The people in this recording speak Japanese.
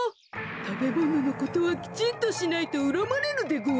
たべもののことはきちんとしないとうらまれるでごわす。